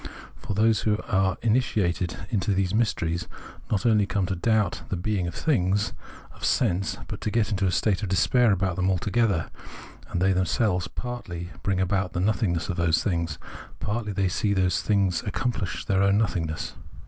For those who are initiated into these mysteries not only come to doubt the being of things of sense, but get into a state of despair about them altogether ; and they themselves partly bring about the nothingness of those things, partly they see those things accomplish their own nothingness.